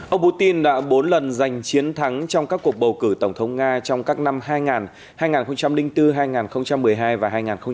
ông putin đã bốn lần giành chiến thắng trong các cuộc bầu cử tổng thống nga trong các năm hai nghìn hai nghìn bốn hai nghìn một mươi hai và hai nghìn một mươi